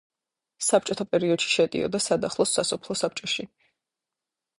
საბჭოთა პერიოდში შედიოდა სადახლოს სასოფლო საბჭოში.